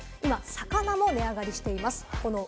今、魚も値上がりしています。